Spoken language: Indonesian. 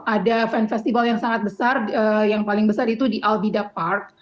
ada fan festival yang sangat besar yang paling besar itu di albida park